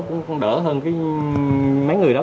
cũng đỡ hơn mấy người đó